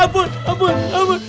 ampun ampun ampun